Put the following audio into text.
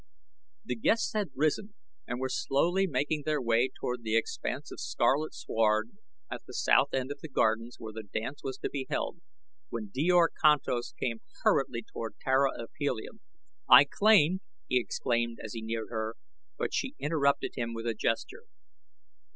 The guests had risen and were slowly making their way toward the expanse of scarlet sward at the south end of the gardens where the dance was to be held, when Djor Kantos came hurriedly toward Tara of Helium. "I claim " he exclaimed as he neared her; but she interrupted him with a gesture.